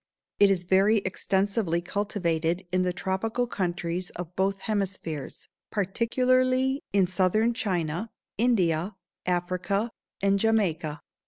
It is very extensively cultivated in the tropical countries of both hemispheres, particularly in southern China, India, Africa, and Jamaica.